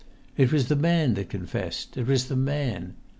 It was the man that confessed—it was the man.